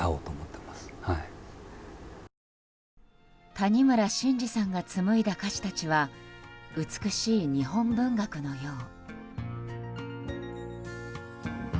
谷村新司さんが紡いだ歌詞たちは美しい日本文学のよう。